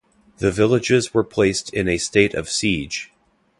The villages were placed in a state of siege.